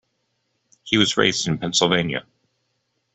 He was raised in Pennsylvania.